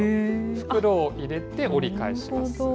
袋を入れて折り返します。